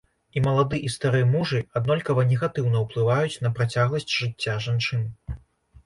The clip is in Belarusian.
І малады, і стары мужы аднолькава негатыўна ўплываюць на працягласць жыцця жанчын.